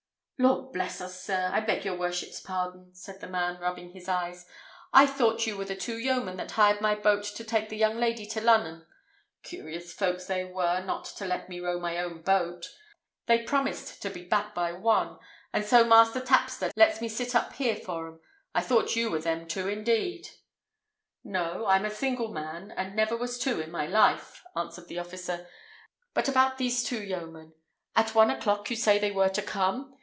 "Lord bless us, sir! I beg your worship's pardon!" said the man, rubbing his eyes; "I thought you were the two yeomen that hired my boat to take the young lady to Lunnun. Curious folks they were not to let me row my own boat! They promised to be back by one, and so Master Tapster lets me sit up here for 'em. I thought you were them two indeed." "No. I'm a single man, and never was two in my life," answered the officer. "But about these two yeomen? At one o'clock you say they were to come?